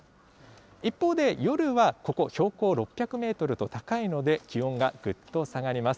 一方で、夜はここ、標高６００メートルと高いので、気温がぐっと下がります。